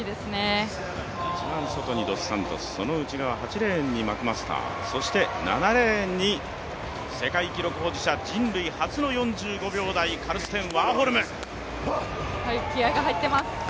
一番外にドスサントス、その内側８レーンにマクマスター、そして７レーンに世界記録保持者、人類初の４５秒台、気合いが入っています。